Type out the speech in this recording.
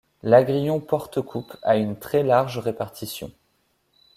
L'agrion porte-coupe a une très large répartition.